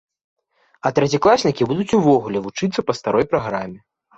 А трэцякласнікі будуць увогуле вучыцца па старой праграме.